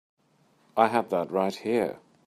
I had that right here.